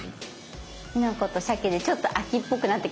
きのことしゃけでちょっと秋っぽくなってきましたね。